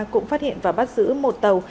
cũng phát hiện và bắt giữ một tàu